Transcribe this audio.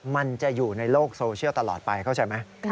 มันจะอยู่ในโลกโซเชียลตลอดไปเข้าใจไหม